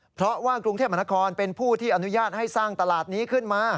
เพราะว่ากรุงเทพมหานครเป็นผู้ที่อนุญาตให้สร้างตลาดนี้ขึ้นมา